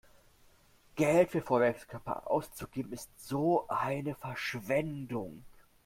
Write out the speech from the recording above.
Geld für Feuerwerkskörper auszugeben ist so eine Verschwendung!